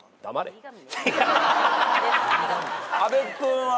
阿部君は？